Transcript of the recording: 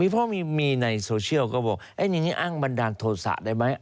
เพราะมีในโซเชียลก็บอกอ้างอ้างบันดาลโทษศาสตร์ได้ไหม